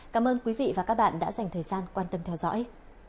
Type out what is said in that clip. cảm ơn quý vị và các bạn đã dành thời gian quan tâm theo dõi